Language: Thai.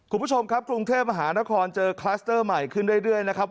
คุณผู้ชมครับกรุงเทพมหานครเจอคลัสเตอร์ใหม่ขึ้นเรื่อยนะครับ